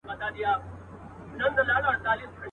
په زرگونو حاضر سوي وه پوځونه .